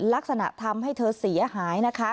ลักษณะทำให้เธอเสียหายนะคะ